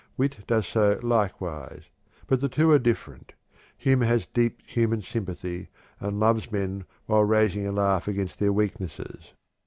Wit does so likewise, but the two are different. Humor has deep human sympathy, and loves men while raising a laugh against their weaknesses.